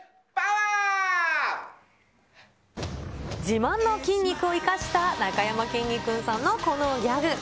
自慢の筋肉を生かした、なかやまきんに君さんのこのギャグ。